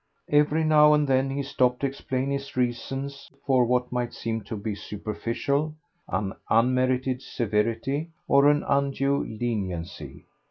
Every now and then he stopped to explain his reasons for what might seem to be superficial, an unmerited severity, or an undue leniency.